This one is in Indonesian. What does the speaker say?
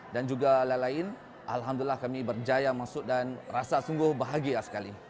dan juga lain lain alhamdulillah kami berjaya masuk dan rasa sungguh bahagia sekali